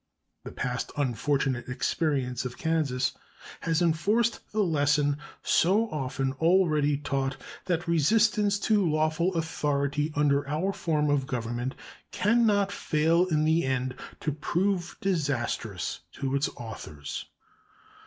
The past unfortunate experience of Kansas has enforced the lesson, so often already taught, that resistance to lawful authority under our form of government can not fail in the end to prove disastrous to its authors.